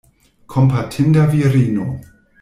Kompatinda virino!